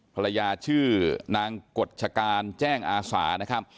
ภรรยาชื่อนางกฎชการแจ้งอาสานะครับ